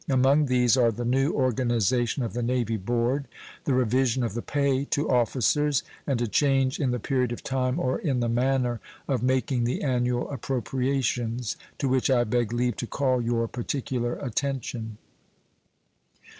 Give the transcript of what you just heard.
Among these are the new organization of the Navy Board, the revision of the pay to officers, and a change in the period of time or in the manner of making the annual appropriations, to which I beg leave to call your particular attention.